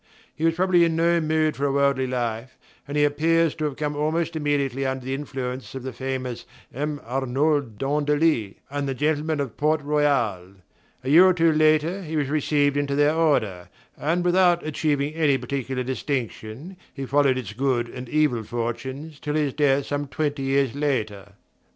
He was probably in no mood for a worldly life, and he appears to have come almost immediately under the influence of the famous M. Arnauld d'Andilly and the gentlemen of Port Royal. A year or two later he was received into their Order, and without achieving any particular distinction he followed its good and evil fortunes till his death some twenty years later.